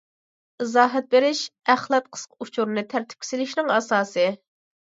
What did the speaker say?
ئىزاھ بېرىش ئەخلەت قىسقا ئۇچۇرىنى تەرتىپكە سېلىشنىڭ ئاساسى.